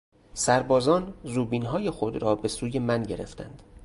سربازان زوبینهای خود را به سوی من گرفتند.